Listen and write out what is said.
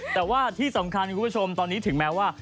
แต่ว่าที่สำคัญคุณผู้ชมตอนนี้ถึงแม้ว่า